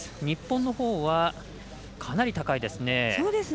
日本のほうはかなり高いですね。